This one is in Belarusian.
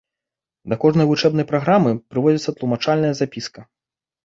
Да кожнай вучэбнай праграмы прыводзіцца тлумачальная запіска.